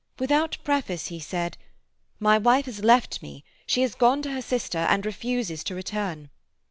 Without preface, he said, "My wife has left me; she has gone to her sister, and refuses to return."